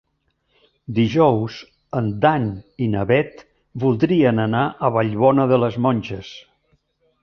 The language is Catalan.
Dijous en Dan i na Bet voldrien anar a Vallbona de les Monges.